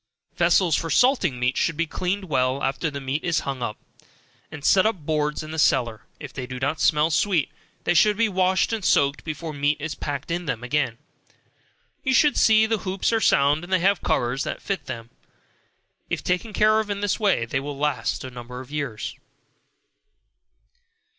Vessels for salting meat should be cleaned well after the meat is hung up, and set on boards in the cellar, if they do not smell sweet, they should be washed and soaked before meat is packed in them again. You should see that the hoops are sound, and have covers made to fit them. If taken care of in this way, they will last a number of years.